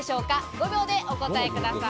５秒でお答えください。